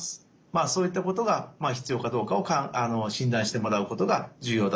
まあそういったことが必要かどうかを診断してもらうことが重要だと思います。